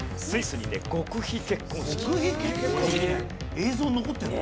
映像残ってるの？